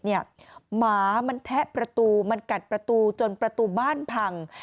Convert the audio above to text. หมามันแทะประตูมันกัดประตูจนประตูบ้านพัง